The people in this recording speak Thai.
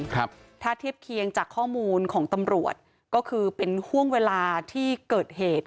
ครับถ้าเทียบเคียงจากข้อมูลของตำรวจก็คือเป็นห่วงเวลาที่เกิดเหตุ